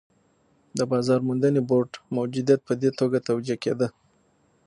د بازار موندنې بورډ موجودیت په دې توګه توجیه کېده.